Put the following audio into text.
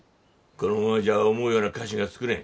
このままじゃ思うような菓子が作れん。